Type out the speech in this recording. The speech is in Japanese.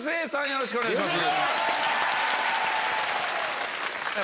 よろしくお願いします。